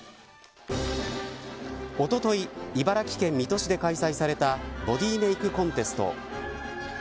おととい、茨城県水戸市で開催されたボディメイクコンテスト。